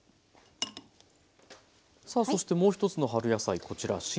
さあそしてもう一つの春野菜こちら新たまねぎ。